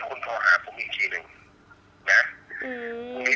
คุณพ่อได้จดหมายมาที่บ้าน